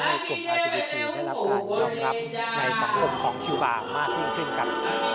ตามให้กรุงประจีบทีให้รับการยอมรับในสังคมของชีวามากยิ่งขึ้นกัน